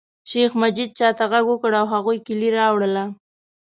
شیخ مجید چاته غږ وکړ او هغوی کیلي راوړله.